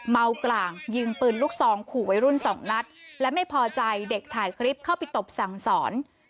มากร่างยิงปืนลูกซองขู่วัยรุ่นสองนัดและไม่พอใจเด็กถ่ายคลิปเข้าไปตบสั่งสอน